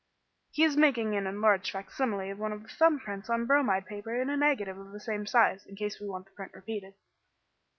"He is making an enlarged facsimile of one of the thumb prints on bromide paper and a negative of the same size in case we want the print repeated."